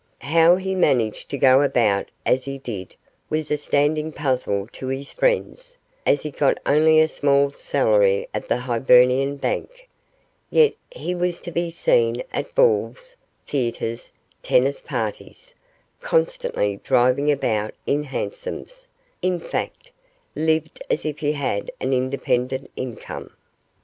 How he managed to go about as he did was a standing puzzle to his friends, as he got only a small salary at the Hibernian Bank; yet he was to be seen at balls, theatres, tennis parties; constantly driving about in hansoms; in fact, lived as if he had an independent income.